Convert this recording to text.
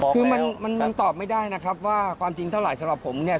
คือมันตอบไม่ได้นะครับว่าความจริงเท่าไหร่สำหรับผมเนี่ย